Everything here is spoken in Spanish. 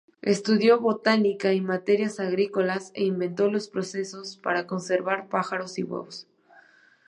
Estudió botánica y materias agrícolas, e inventó los procesos para conservar pájaros y huevos.